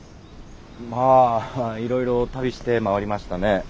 まあいろいろ旅して回りましたね。